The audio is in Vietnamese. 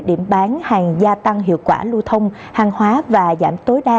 điểm bán hàng gia tăng hiệu quả lưu thông hàng hóa và giảm tối đa